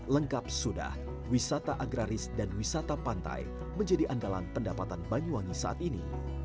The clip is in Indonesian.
lengkap sudah wisata agraris dan wisata pantai menjadi andalan pendapatan banyuwangi saat ini